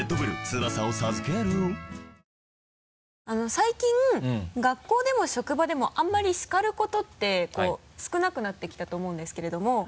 最近学校でも職場でもあんまり叱ることって少なくなってきたと思うんですけれども。